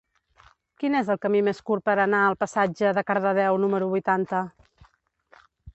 Quin és el camí més curt per anar al passatge de Cardedeu número vuitanta?